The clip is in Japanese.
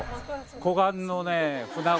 湖岸のね。